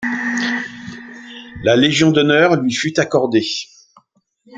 La Légion d'honneur lui fut accordée.